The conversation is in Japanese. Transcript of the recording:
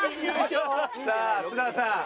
さあ須田さん。